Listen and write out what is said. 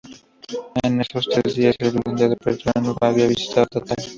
En esos tres días el blindado peruano había visitado Taltal.